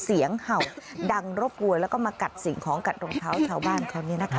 เห่าดังรบกวนแล้วก็มากัดสิ่งของกัดรองเท้าชาวบ้านเขา